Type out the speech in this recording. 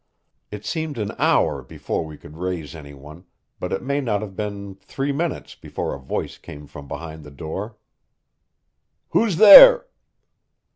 It seemed an hour before we could raise any one, but it may not have been three minutes before a voice came from behind the door. "Who's there?"